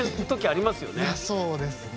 いやそうですね。